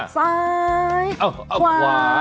ซ้ายขวา